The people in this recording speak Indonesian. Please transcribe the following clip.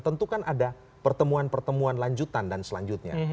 tentukan ada pertemuan pertemuan lanjutan dan selanjutnya